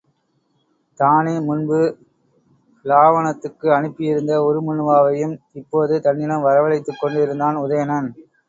தானே முன்பு இலாவாணத்துக்கு அனுப்பி இருந்த உருமண்ணுவாவையும் இப்போது தன்னிடம் வரவழைத்து வைத்துக் கொண்டிருந்தான் உதயணன்.